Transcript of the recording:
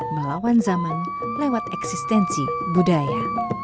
melawan zaman lewat eksistensi budaya